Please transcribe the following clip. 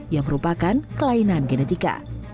yang merupakan kelainan genetika